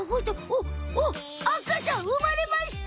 おっおおあかちゃんうまれました！